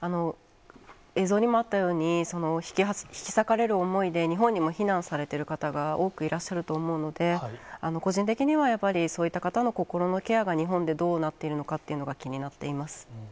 映像にもあったように、引き裂かれる思いで、日本にも避難されてる方が多くいらっしゃると思うので、個人的にはやっぱり、そういった方の心のケアが、日本でどうなっているのかというのが気になっています。